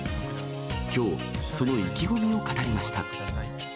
きょう、その意気込みを語りました。